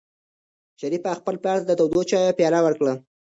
شریف خپل پلار ته د تودو چایو پیاله ورکړه.